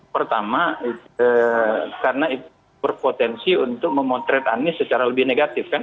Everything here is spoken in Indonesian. pertama karena itu berpotensi untuk memotret anies secara lebih negatif kan